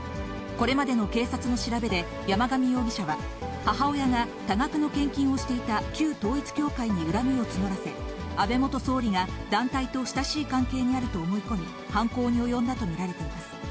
これまでの警察の調べで、山上容疑者は、母親が多額の献金をしていた旧統一教会に恨みを募らせ、安倍元総理が団体と親しい関係にあると思い込み、犯行に及んだと見られています。